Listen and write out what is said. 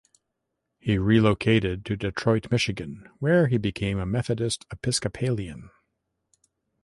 He relocated to Detroit, Michigan where he became a Methodist Episcopalian.